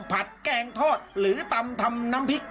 แกงทอดหรือตำทำน้ำพริก